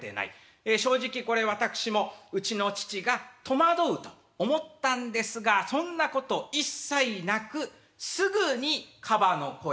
ええ正直これ私もうちの父が戸惑うと思ったんですがそんなこと一切なくすぐにカバの声を披露しました。